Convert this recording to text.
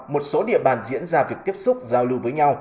một số địa bàn diễn ra việc tiếp xúc giao lưu với nhau